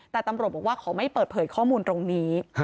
แต่ตำรวจบอกว่าขอไม่เปิดเผยข้อมูลตรงนี้